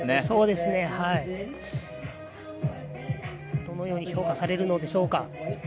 そうですね、どのように評価されるのでしょうか。